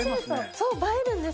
そう、映えるんです。